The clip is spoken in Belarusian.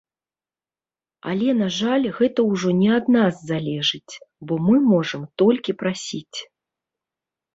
Але, на жаль гэта ўжо не ад нас залежыць, бо мы можам толькі прасіць.